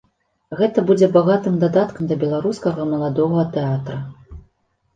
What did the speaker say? Гэта будзе багатым дадаткам да беларускага маладога тэатра.